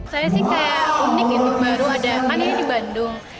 saya sih kayak unik gitu baru ada kan ini di bandung